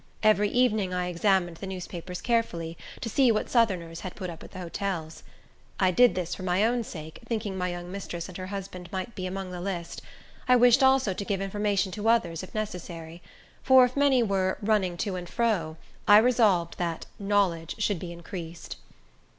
Every evening I examined the newspapers carefully, to see what Southerners had put up at the hotels. I did this for my own sake, thinking my young mistress and her husband might be among the list; I wished also to give information to others, if necessary; for if many were "running to and fro," I resolved that "knowledge should be increased."